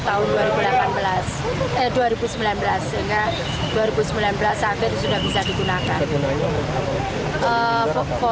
tahun dua ribu delapan belas eh dua ribu sembilan belas sehingga dua ribu sembilan belas sapi itu sudah bisa digunakan